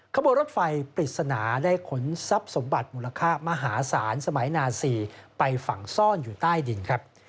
ขบวนรถไฟปริศนาได้ขนทรัพย์สมบัติมูลค่ามหาศาลสมัยนาซีไปฝังซ่อนอยู่ใต้ดินครับ